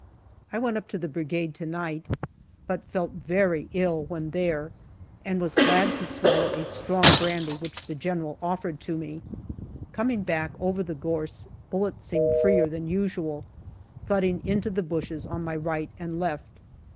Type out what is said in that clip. I went up to the Brigade to night, but felt very ill when there, and was glad to swallow a strong brandy which the General offered to me. Coming back over the gorse, bullets seemed freer than usual, thudding into the bushes on my right and left.